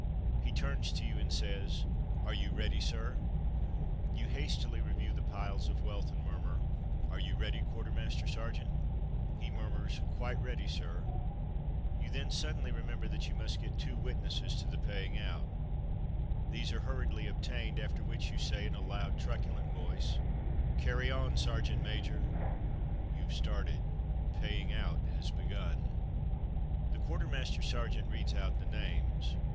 He turns to you and says: "Are you ready, sir V^ You hastily review the piles of wealth and murmur, "Are you ready, quar termaster sergeant r' He murmurs, "Quite ready, sir.'' You then suddenly remember that you Company Pay Day 29 must get two witnesses to the " paying out. " These are hurriedly obtained, after which you say, in a loud, truculent voice : "Carry on, sergeant major/' YouVe started; paying out has begun. The quartermaster sergeant reads out the names.